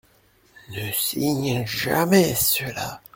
Ne signe jamais cela.